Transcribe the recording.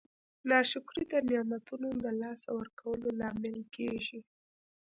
ناشکري د نعمتونو د لاسه ورکولو لامل کیږي.